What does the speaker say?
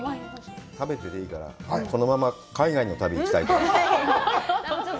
食べてていいから、このまま海外の旅に行きたいと思います。